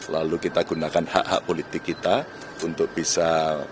lalu kita gunakan hak hak politik kita untuk bisa